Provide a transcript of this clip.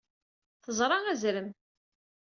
Teẓra azrem.